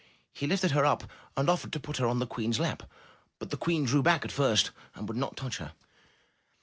He lifted her up, and offered to put her on the Queen's lap, but the queen drew back at first and would not touch her.